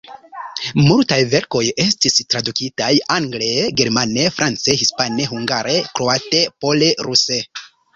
Multaj verkoj estis tradukitaj angle, germane, france, hispane, hungare, kroate, pole, ruse.